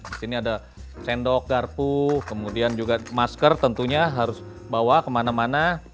di sini ada cendok garpu kemudian juga masker tentunya harus bawa kemana mana